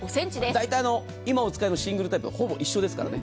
大体今お使いのシングルタイプとほぼ一緒ですからね。